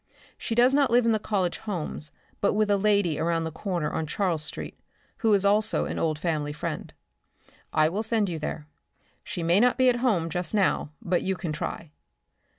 She does not live in the College homes, but with a lady around the corner on Charles street, who is also an old family friend. I will send you there. She may not be at home just now, but you can try."